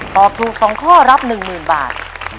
ตอบถูก๒ข้อรับ๑๐๐๐บาท